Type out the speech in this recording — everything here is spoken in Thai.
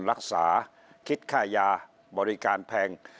รักษาคิดค่ายาบริการแพง